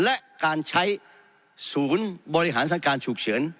และการใช้ศูนย์บริหารสถานการณ์ฉุกเฉิน